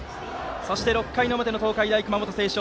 そして６回の表の東海大熊本星翔。